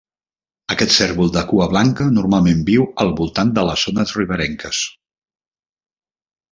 Aquest cérvol de cua blanca normalment viu a i al voltant de les zones riberenques.